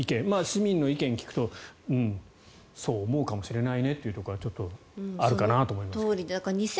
市民の意見を聞くとそう思うかもしれないねというところはちょっとあるかなと思いますけど。